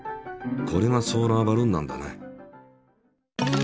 これがソーラーバルーンなんだね。